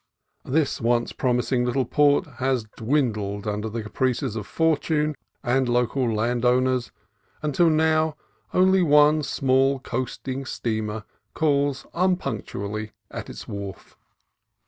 This once promising little port has dwindled under the caprices of For tune and local landowners until now only one small coasting steamer calls unpunctually at its wharf.